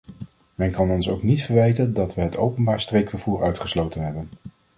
Men kan ons ook niet verwijten dat we het openbaar streekvervoer uitgesloten hebben.